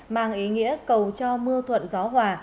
mang ý nghĩa cầu cho mưa thuận gió hòa